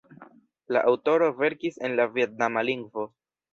La aŭtoroj verkis en la vjetnama lingvo.